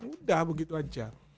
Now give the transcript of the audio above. udah begitu aja